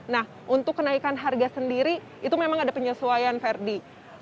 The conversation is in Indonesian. nah untuk kenaikan harga sendiri itu memang ada penyesuaian verdi